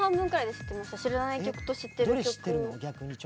知らない曲と知ってる曲。